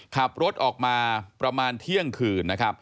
ขับรถออกมาประมาณเที่ยงคืนนะครับ